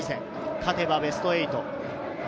勝てばベスト８。